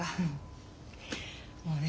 もうね